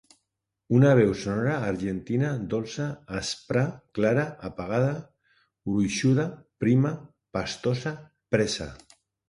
Una veu sonora, argentina, dolça, aspra, clara, apagada, gruixuda, prima, pastosa, presa.